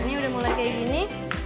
ini udah mulai kayak gini